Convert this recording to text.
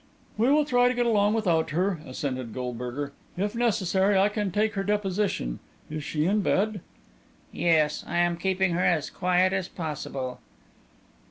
"We will try to get along without her," assented Goldberger. "If necessary, I can take her deposition. Is she in bed?" "Yes; I am keeping her as quiet as possible."